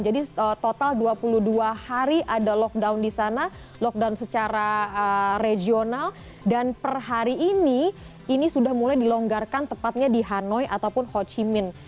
jadi total dua puluh dua hari ada lockdown di sana lockdown secara regional dan per hari ini ini sudah mulai dilonggarkan tepatnya di hanoi ataupun ho chi minh